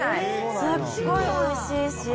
すごいおいしいし。